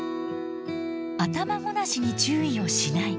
頭ごなしに注意をしない。